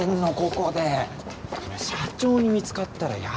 社長に見つかったらヤバいよ。